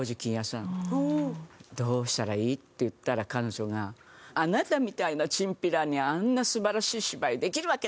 「どうしたらいい？」って言ったら彼女が「あなたみたいなチンピラにあんな素晴らしい芝居できるわけないでしょ！」。